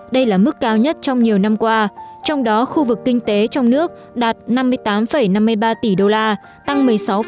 đây là mức cao nhất trong nhiều năm qua trong đó khu vực kinh tế trong nước đạt năm mươi tám năm mươi ba tỷ đô la tăng một mươi sáu